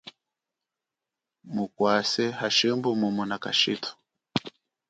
Mukwase, hashimbu mumona kashithu.